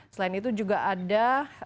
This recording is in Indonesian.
selain itu juga ada